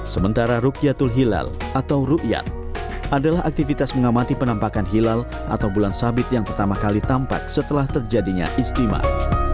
sementara rukyatul hilal atau rukyat adalah aktivitas mengamati penampakan hilal atau bulan sabit yang pertama kali tampak setelah terjadinya istimah